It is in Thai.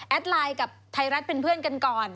แอดไลน์กับไทยรัฐเพื่อนกันก่อน